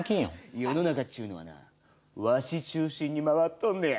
「世の中っちゅうのはなわし中心に回っとんのや」